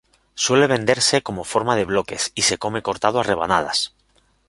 Suele venderse con forma de bloques, y se come cortado a rebanadas.